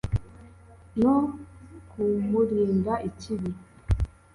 no kumurinda ikibi,